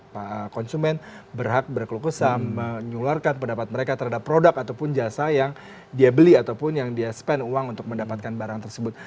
pak konsumen berhak berkelukusan menyularkan pendapat mereka terhadap produk ataupun jasa yang dia beli ataupun yang dia spend uang untuk mendapatkan barang tersebut